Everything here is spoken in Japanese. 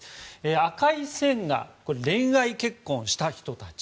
赤い線が恋愛結婚した人たち。